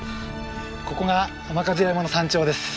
ここが雨飾山の山頂です。